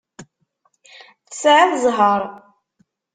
Tesɛiḍ zzheṛ.